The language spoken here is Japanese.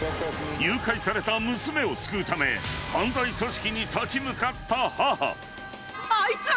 誘拐された娘を救うため犯罪組織に立ち向かった母。